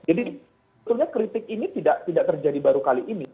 jadi sebetulnya kritik ini tidak terjadi baru kali ini